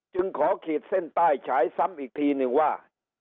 จึงขอขีดเส้นใต้ฉายซ้ำอีกทีนึงว่า